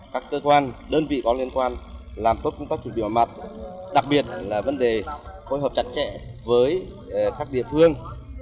các cơ quan đơn vị có liên quan làm tốt công tác chủ biểu mặt đặc biệt là vấn đề phối hợp chặt chẽ với các địa phương